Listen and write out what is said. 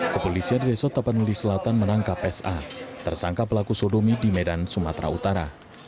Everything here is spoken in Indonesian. kepolisian resort tapanuli selatan menangkap sa tersangka pelaku sodomi di medan sumatera utara